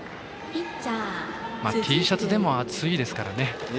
Ｔシャツでも暑いですからね。